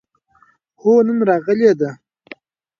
هو، نن راغلې ده